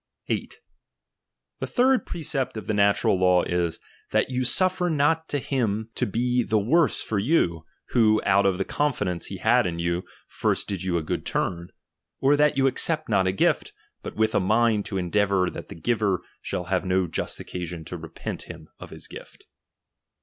8. The third precept of the natural law is, that t" " *ini yoM syffer not him to be the worse for you, tcho, oriuRrkiiitoi OB/ of the confidence he had in you, first did you a good turn ; or that you accept not a gift, hut with a mind to endeai'our that the giver shall Aatw no just occasion to repent him of his gift.